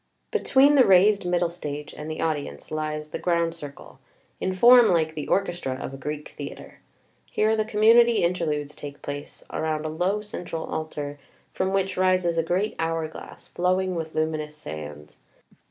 Between the raised Middle Stage and the audience lies the Ground Circle in form like the "orchestra" of a Greek theatre. Here the com munity Interludes take place around a low central Altar, from which rises a great hour glass, flowing with luminous sands.